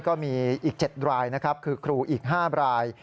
ก็มีอีก๗รายนะครับคือครูอีก๕ราย